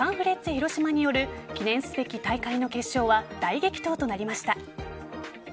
広島による記念すべき大会の決勝は大激闘となりました。